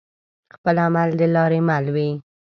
خپل عمل دلاري مل وي